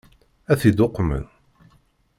Ad t-id-uqmen?